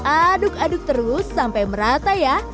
aduk aduk terus sampai merata ya